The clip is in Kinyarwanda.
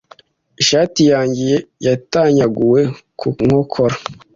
Ishati yanjye yatanyaguwe ku nkokora.